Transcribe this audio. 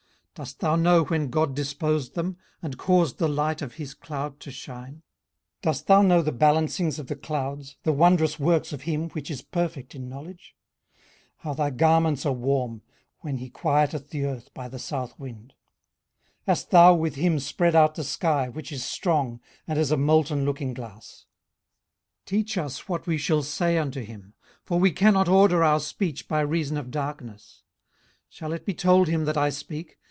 18:037:015 Dost thou know when God disposed them, and caused the light of his cloud to shine? 18:037:016 Dost thou know the balancings of the clouds, the wondrous works of him which is perfect in knowledge? 18:037:017 How thy garments are warm, when he quieteth the earth by the south wind? 18:037:018 Hast thou with him spread out the sky, which is strong, and as a molten looking glass? 18:037:019 Teach us what we shall say unto him; for we cannot order our speech by reason of darkness. 18:037:020 Shall it be told him that I speak?